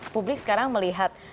publik sekarang melihat